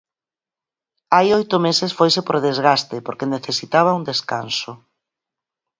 Hai oito meses foise por desgaste, porque necesitaba un descanso.